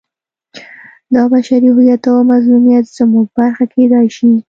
دا بشري هویت او مظلومیت زموږ برخه کېدای شي.